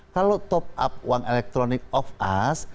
kalau top up uang elektronik of us